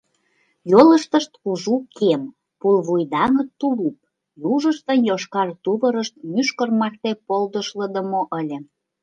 Йолыштышт кужу кем, пулвуй даҥыт тулуп, южыштын йошкар тувырышт мӱшкыр марте полдышлыдымо ыле.